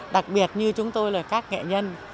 đặc biệt như chúng tôi là các nghệ nhân